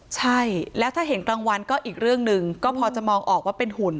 ใช่แล้วถ้าเห็นกลางวันก็อีกเรื่องหนึ่งก็พอจะมองออกว่าเป็นหุ่น